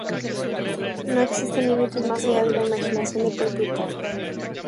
No existen límites más allá de la imaginación del propietario.